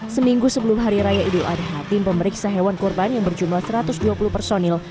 seminggu sebelum hari raya idul adha tim pemeriksa hewan kurban yang berjumlah satu ratus dua puluh personil